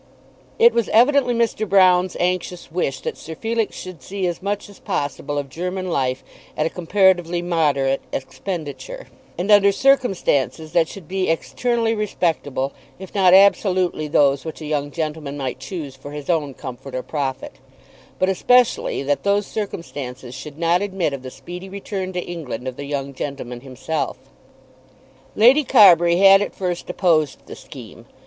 It was evidently Mr. Broune's anxious wish that Sir Felix should see as much as possible of German life, at a comparatively moderate expenditure, and under circumstances that should be externally respectable if not absolutely those which a young gentleman might choose for his own comfort or profit; but especially that those circumstances should not admit of the speedy return to England of the young gentleman himself. Lady Carbury had at first opposed the scheme.